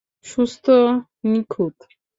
সুস্থ, নিখুঁত।